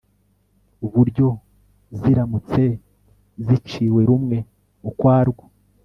buryo ziramutse ziciwe rumwe ukwarwo